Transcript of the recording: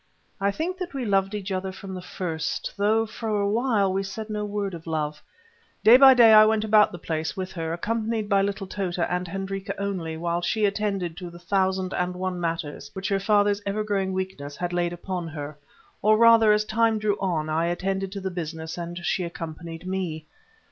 I think that we loved each other from the first, though for a while we said no word of love. Day by day I went about the place with her, accompanied by little Tota and Hendrika only, while she attended to the thousand and one matters which her father's ever growing weakness had laid upon her; or rather, as time drew on, I attended to the business, and she accompanied me.